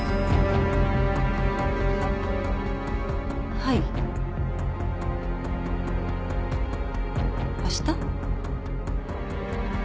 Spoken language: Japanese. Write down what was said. はい明日？